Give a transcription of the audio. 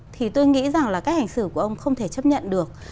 thì tôi nghĩ rằng là cách hành xử của ông không thể chấp nhận được